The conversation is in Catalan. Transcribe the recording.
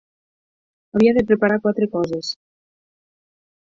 Havia de preparar quatre coses.